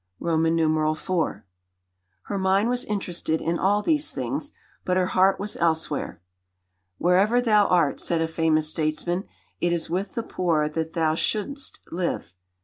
IV Her mind was interested in all these things, but her heart was elsewhere. "Wherever thou art," said a famous statesman, "it is with the poor that thou should'st live."